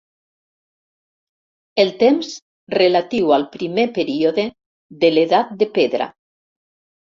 El temps Relatiu al primer període de l'edat de pedra.